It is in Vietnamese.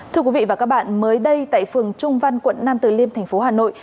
thưa quý vị và các bạn mới đây tại phường trung văn quận nam từ liêm thành phố hà nội